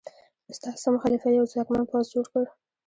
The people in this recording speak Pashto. مستعصم خلیفه یو ځواکمن پوځ جوړ کړ.